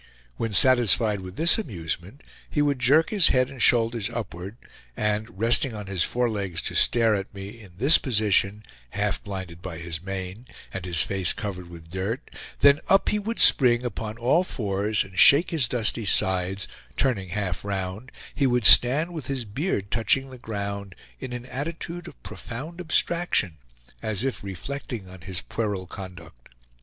When satisfied with this amusement he would jerk his head and shoulders upward, and resting on his forelegs stare at me in this position, half blinded by his mane, and his face covered with dirt; then up he would spring upon all fours, and shake his dusty sides; turning half round, he would stand with his beard touching the ground, in an attitude of profound abstraction, as if reflecting on his puerile conduct.